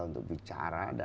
untuk bicara dan